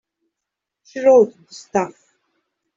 She wrote the stuff.